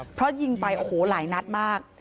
เพราะยิงไปโอ้โหหลายนัดมาก